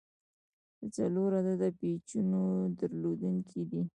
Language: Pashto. د څلور عدده پیچونو درلودونکی دی.